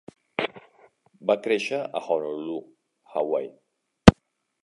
Va créixer a Honolulu, Hawaii.